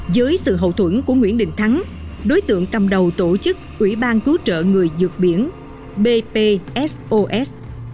với sự hậu thuẫn của nguyễn đình thắng đối tượng cầm đầu tổ chức ủy ban cứu trợ người dược biển bpsos